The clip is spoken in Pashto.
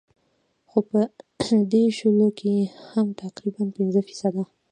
خو پۀ دې شلو کښې هم تقريباً پنځه فيصده